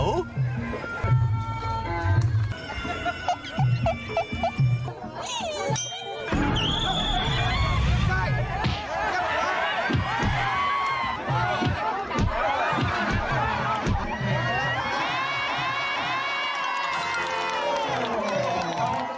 เย้